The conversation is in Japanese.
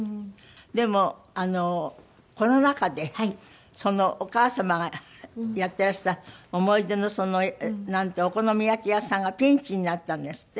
でもコロナ禍でそのお母様がやってらした思い出のそのお好み焼き屋さんがピンチになったんですって？